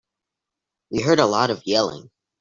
We heard a lot of yelling.